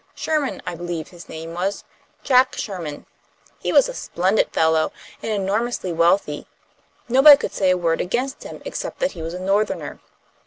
Sherman, I believe, his name was, Jack Sherman. He was a splendid fellow, and enormously wealthy. Nobody could say a word against him, except that he was a Northerner.